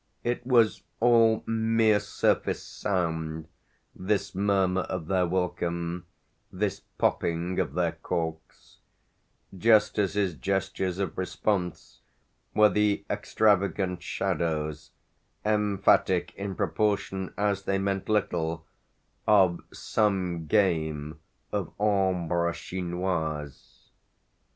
It was all mere surface sound, this murmur of their welcome, this popping of their corks just as his gestures of response were the extravagant shadows, emphatic in proportion as they meant little, of some game of ombres chinoises.